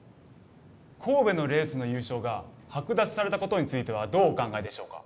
神戸のレースの優勝が剥奪されたことについてはどうお考えでしょうか？